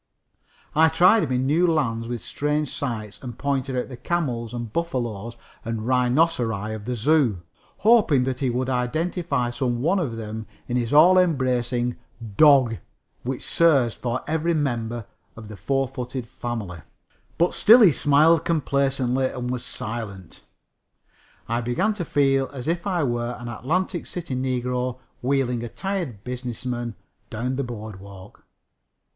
I tried him in new lands with strange sights and pointed out the camels, and buffaloes and rhinoceri of the zoo, hoping that he would identify some one of them in his all embracing "dog," which serves for every member of the four footed family. But still he smiled complacently and was silent. I began to feel as if I were an Atlantic City negro wheeling a tired business man down the Boardwalk.